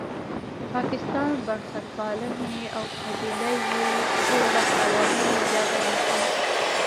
پاکستان، بنسټپالنې او قبیله یي جوړښت عوامل له یاده نه شي.